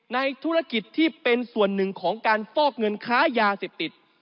ในธุรกิจที่เป็นส่วนหนึ่งของการฟอกเงินค้ายาเสพติด